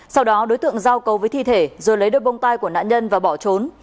sau đó đối tượng giao cầu với thi thể rồi lấy đôi bông tai của nạn nhân và bỏ trốn